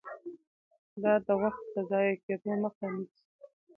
دا د وخت د ضایع کیدو مخه نیسي.